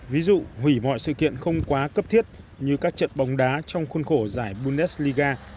ví dụ hủy mọi sự kiện không quá cấp thiết như các trận bóng đá trong khuôn khổ giải bundesliga